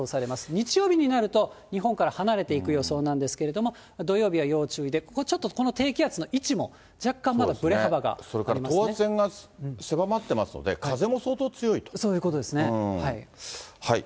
日曜日になると、日本から離れていく予想なんですけれども、土曜日は要注意で、ここちょっと個の低気圧の、位置も、若干、それから等圧線が狭まってまそういうことですね。